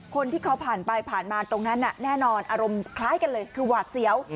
คนที่เขาผ่านไปผ่านมาตรงนั้นแน่นอนอารมณ์คล้ายกันเลยคือหวาดเสียว